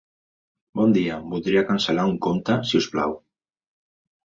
Bon dia, voldria cancel·lar un compte si us plau.